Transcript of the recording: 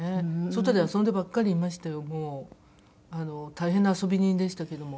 大変な遊び人でしたけども。